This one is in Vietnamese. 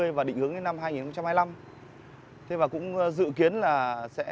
thế và cũng dự kiến là sẽ đề nghị bà con dân địa phương để bảo vệ các khu di tích này